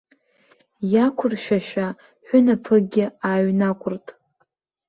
Иақәыршәашәа ҳәынаԥыкгьы ааҩнакәырт.